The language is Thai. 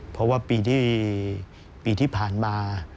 เพราะว่าปีที่ผ่านมา